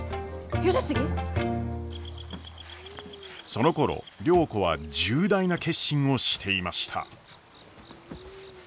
そのころ良子は重大な決心をしていました。